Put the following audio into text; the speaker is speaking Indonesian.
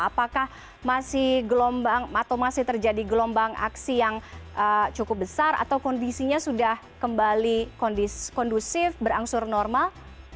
apakah masih gelombang atau masih terjadi gelombang aksi yang cukup besar atau kondisinya sudah kembali kondusif berangsur normal